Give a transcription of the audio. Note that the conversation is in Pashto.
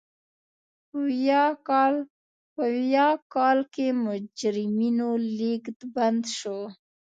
په ویاه کال کې مجرمینو لېږد بند شو.